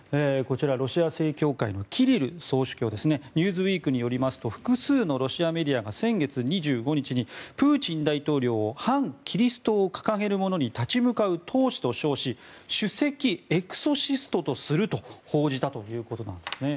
ロシア正教会のキリル総主教ですね「ニューズウィーク」によりますと複数のロシアメディアが先月２５日にプーチン大統領を反キリストを掲げる者に立ち向かう闘士と称し首席エクソシストとすると報じたということなんです。